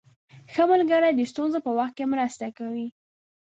ښه ملګری د ستونزو په وخت کې مرسته کوي.